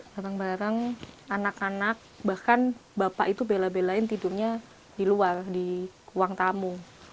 bareng bareng anak anak bahkan bapak itu bela belain tidurnya di luar di ruang tamu